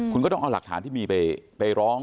คุณก็ต้องเอาหลักฐานที่มีไปร้อง